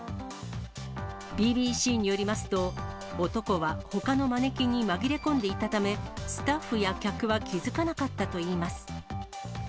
ＢＢＣによりますと、男はほかのマネキンに紛れ込んでいたため、スタッフや客は気付かなかったといいます。